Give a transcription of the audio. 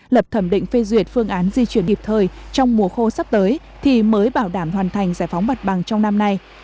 lập thẩm định phê duyệt phương án di chuyển kịp thời trong mùa khô sắp tới thì mới bảo đảm hoàn thành giải phóng mặt bằng trong năm nay